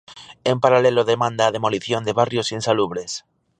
En paralelo demanda a demolición de barrios insalubres.